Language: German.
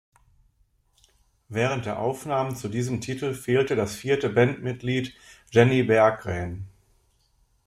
Während der Aufnahmen zu diesem Titel fehlte das vierte Band-Mitglied Jenny Berggren.